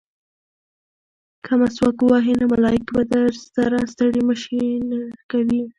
که مسواک ووهې نو ملایکې به درسره ستړې مه شي کوي.